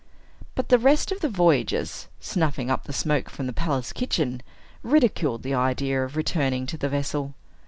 But the rest of the voyagers, snuffing up the smoke from the palace kitchen, ridiculed the idea of returning to the vessel.